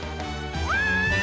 わい！